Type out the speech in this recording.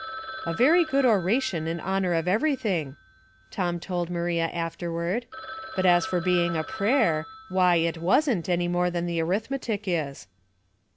" A very good oration in honor of everything," Tom told Maria afterward ;" but as for being a prayer^ why it wasnt any more than the arith metic is."